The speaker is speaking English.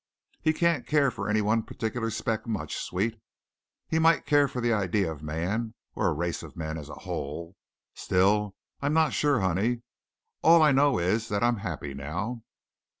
"He can't care for any one particular speck much, sweet. He might care for the idea of man or a race of men as a whole. Still, I'm not sure, honey. All I know is that I'm happy now."